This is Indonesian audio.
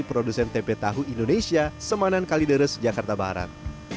produsen tempe tahu indonesia semanan kalideres jakarta barat